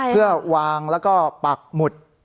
เพื่อวางแล้วก็ปักหมุด